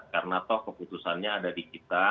karena toh keputusannya ada di kita